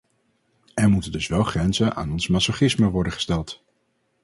Er moeten dus wel grenzen aan ons masochisme worden gesteld.